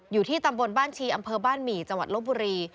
อยู่ที่ตำบลบ้านชีอำเภอบ้านหมี่จังหวัดลบบุรี